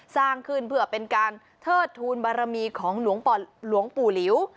สร้างขึ้นเพื่อเป็นการเทิดทูลบารมีของหลวงปู่หลิว